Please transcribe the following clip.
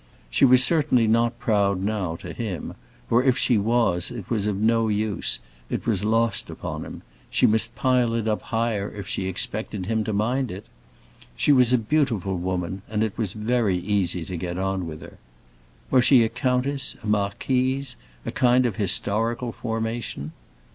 She was certainly not proud now, to him; or if she was, it was of no use, it was lost upon him; she must pile it up higher if she expected him to mind it. She was a beautiful woman, and it was very easy to get on with her. Was she a countess, a marquise, a kind of historical formation?